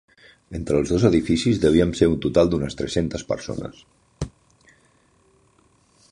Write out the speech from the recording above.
Entre els dos edificis, devíem ser un total d'unes tres-centes persones.